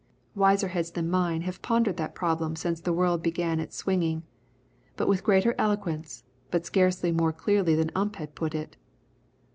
Wiser heads than mine have pondered that problem since the world began its swinging, but with greater elegance, but scarcely more clearly than Ump had put it.